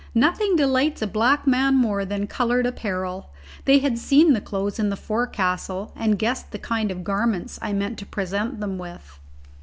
Nothing delights a black man more than coloured apparel. They had seen the clothes in the forecastle and guessed the kind of garments I meant to present them with.